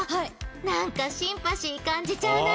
なんかシンパシー感じちゃうな。